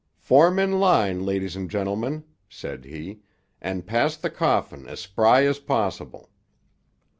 "Form in line, ladies and gentlemen," said he, "and pass the coffin as spry as possible."